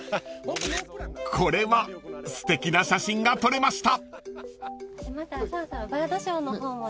［これはすてきな写真が撮れました］